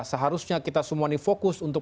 seharusnya kita semua ini fokus untuk